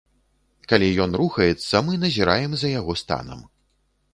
Калі ён рухаецца, мы назіраем за яго станам.